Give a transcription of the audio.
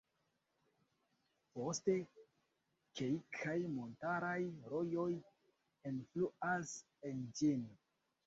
Poste kelkaj montaraj rojoj enfluas en ĝin.